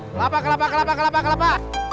kelapa kelapa kelapa kelapa kelapa